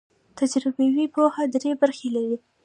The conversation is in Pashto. تجربوي پوهه درې برخې لري.